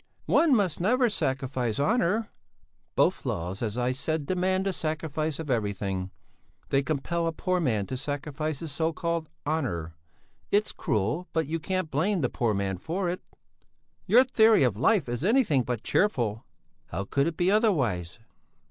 "One must never sacrifice honour." "Both laws, as I said, demand the sacrifice of everything they compel a poor man to sacrifice his so called honour. It's cruel, but you can't blame the poor man for it." "Your theory of life is anything but cheerful." "How could it be otherwise?"